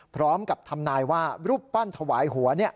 พร้อมกับทำนายว่ารูปปั้นถวายหัว